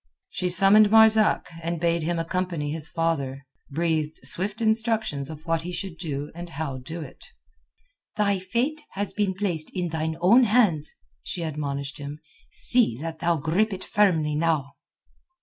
She summoned Marzak, and bade him accompany his father, breathed swift instructions of what he should do and how do it. "Thy fate has been placed in thine own hands," she admonished him. "See that thou grip it firmly now."